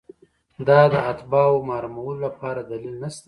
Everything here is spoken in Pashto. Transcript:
دا د اتباعو محرومولو لپاره دلیل نشته.